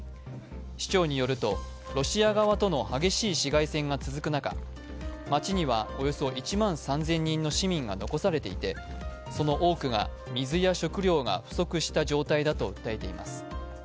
市長によると、ロシア側との激しい市街戦が続く中、街にはおよそ１万３０００人の市民が残されていてその多くが水や食料が不足した状態だと訴えています。